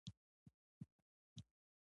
ما وويل يو څه به ته راکې.